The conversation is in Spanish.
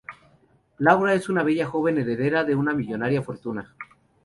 Laura es una bella joven heredera de una millonaria fortuna.